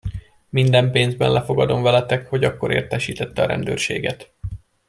Minden pénzben lefogadom veletek, hogy akkor értesítette a rendőrséget.